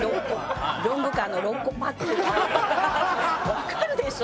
わかるでしょ？